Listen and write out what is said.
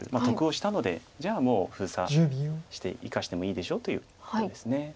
得をしたのでじゃあもう封鎖して生かしてもいいでしょうということです。